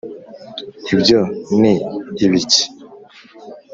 ibyo ni ibiki